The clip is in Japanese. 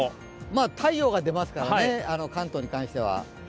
太陽が出ますから、関東に関しては。